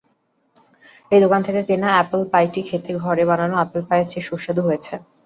এই দোকান থেকে কেনা অ্যাপল পাইটা খেতে ঘরে বানানো অ্যাপল পাইয়ের চেয়ে সুস্বাদু হয়েছে!